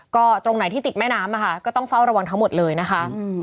ก็ตรงไหนที่ติดแม่น้ำนะคะก็ต้องเฝ้าระวังทั้งหมดเลยนะคะ